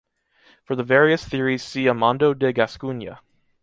For the various theories see Amando de Gascuña.